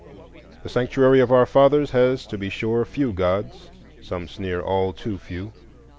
The Sanctuary of our fathers has, to be sure, few Gods,—some sneer, "all too few."